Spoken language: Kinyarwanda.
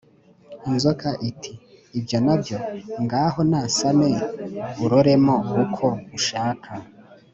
inzoka iti« ibyo na byo, ngaho nasame uroremo uko ushaka.